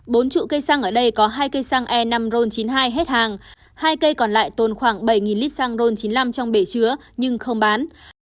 bốn trụ cây xăng ở đây có hai cây xăng e năm ron chín mươi hai hết hàng hai cây còn lại tồn khoảng bảy lít xăng ron chín mươi năm trong bể chứa nhưng không bán